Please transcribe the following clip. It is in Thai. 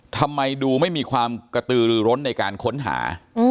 ทำไมดูไม่มีความกระตือรือร้นในการค้นหา